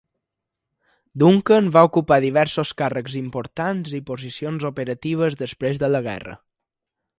Duncan va ocupar diversos càrrecs importants i posicions operatives després de la guerra.